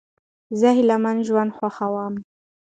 زه هیلهمن ژوند خوښوم.